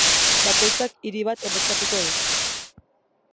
Bakoitzak hiri bat ordezkatuko du.